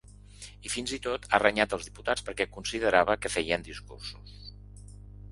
I fins i tot ha renyat els diputats perquè considerava que feien discursos.